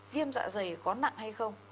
viêm dạ dày có nặng hay không